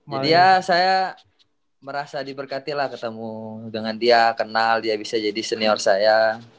jadi ya saya merasa diberkati lah ketemu dengan dia kenal dia bisa jadi senior saya